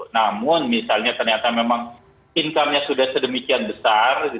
namun misalnya ternyata memang income nya sudah sedemikian besar